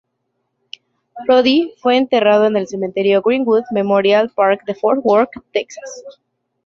Roddy fue enterrado en el Cementerio Greenwood Memorial Park de Fort Worth, Texas.